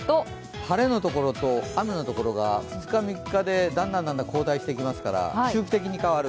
晴れのところと雨のところが２日、３日でだんだん交代していきますから、周期的に変わる。